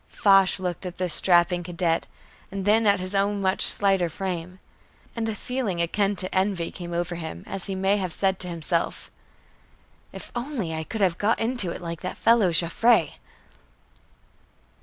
Foch looked at this strapping cadet, and then at his own much slighter frame, and a feeling akin to envy came over him, as he may have said to himself: "If only I could have got into it like that fellow Joffre!"